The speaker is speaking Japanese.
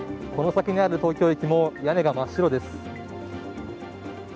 この先にある東京駅も屋根が真っ白です。